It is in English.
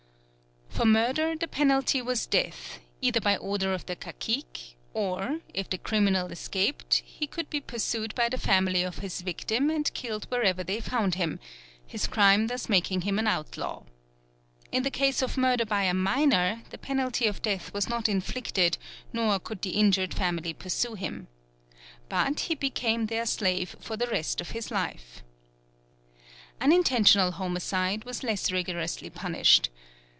For murder the penalty was death, either by order of the cacique; or, if the criminal escaped, he could be pursued by the family of his victim and killed wherever they found him, his crime thus making him an outlaw. In the case of murder by a minor, the penalty of death was not inflicted nor could the injured family pursue him. But he became their slave for the rest of his life. Unintentional homicide was less rigorously punished.